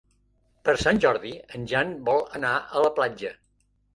Per Sant Jordi en Jan vol anar a la platja.